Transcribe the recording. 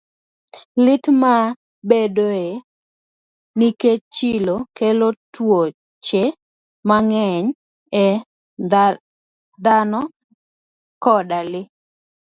Lit ma bedoe nikech chilo kelo tuoche mang'eny ne dhano koda le.